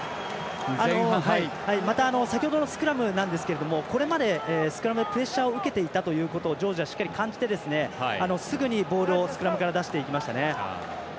また、先ほどのスクラムなんですけれどもこれまでスクラムプレッシャーを受けていたということをジョージア、しっかり感じてすぐにボールをスクラムから出していきましたね。